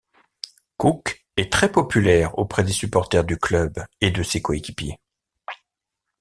Cook est très populaire auprès des supporters du club et de ses coéquipiers.